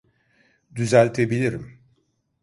Düzeltebilirim.